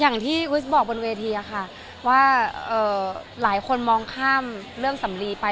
อย่างที่อุสบอกบนเวทีอะค่ะว่าหลายคนมองข้ามเรื่องสำลีไป